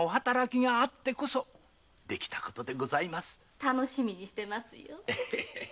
楽しみにしてますよ。